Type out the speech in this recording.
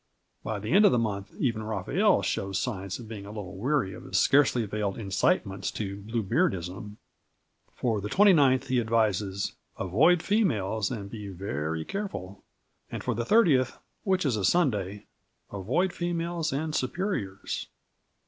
By the end of the month even Raphael shows signs of being a little weary of his scarcely veiled incitements to Bluebeardism. For the 29th he advises: "Avoid females and be very careful," and for the 30th, which is a Sunday: "Avoid females and superiors."